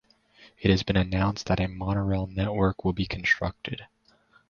It has been announced that a monorail network will be constructed.